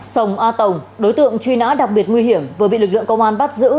sông a tổng đối tượng truy nã đặc biệt nguy hiểm vừa bị lực lượng công an bắt giữ